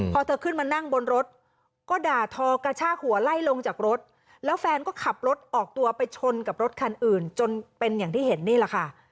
พอเธอขึ้นมานั่งบนรถก็ด่าทอกระชากหัวไล่ลงจากรถแล้วแฟนก็ขับรถออกตัวไปชนกับรถคันอื่นจนเป็นอย่างที่เห็นนี่แหละค่ะ